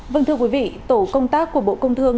vâng thưa quý vị tổ công tác của bộ công thương